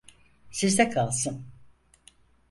Sizde kalsın.